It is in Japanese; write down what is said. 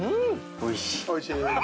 おいしい？